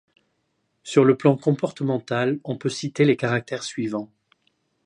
Sur le plan comportemental, on peut citer les caractères suivants.